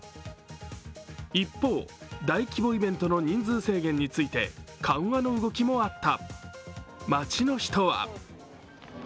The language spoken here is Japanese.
一方、大規模イベントの人数制限について緩和の動きもあった。